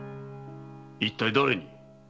一体だれに？